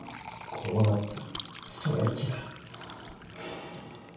こうなったらストライキだはぁ。